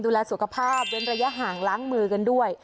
ดูแลสุขภาพเว้นระยะห่างล้างมือกันด้วย